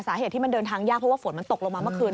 สาเหตุที่มันเดินทางยากเพราะว่าฝนมันตกลงมาเมื่อคืน